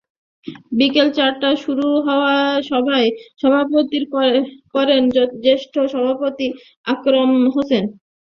বিকেল চারটায় শুরু হওয়া সভায় সভাপতিত্ব করেন জ্যেষ্ঠ সহসভাপতি আকরাম হোসেন।